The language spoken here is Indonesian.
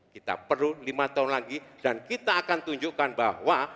kita perlu lima tahun lagi dan kita akan tunjukkan bahwa